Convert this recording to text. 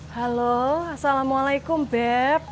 halo assalamualaikum beb